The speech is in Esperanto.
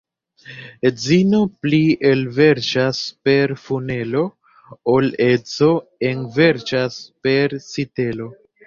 Edzino pli elverŝas per funelo, ol edzo enverŝas per sitelo.